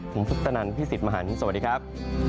ผมพุทธนันทร์พี่สิทธิ์มหานที่สวัสดีครับ